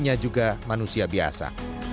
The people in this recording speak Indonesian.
ia juga manusia biasa